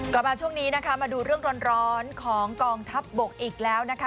กลับมาช่วงนี้นะคะมาดูเรื่องร้อนของกองทัพบกอีกแล้วนะคะ